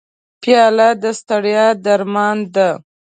پیاله د ستړیا درمان ده.